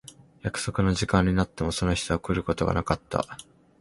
約束の時間になってもその人は来ることがなかった。